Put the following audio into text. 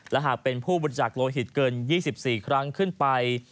และหากเป็นผู้บริจักษ์โลหิตเกิน๒๔ครั้งขึ้นไป